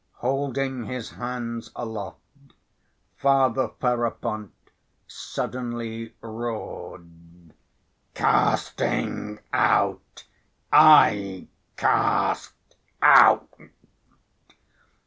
Holding his hands aloft, Father Ferapont suddenly roared: "Casting out I cast out!"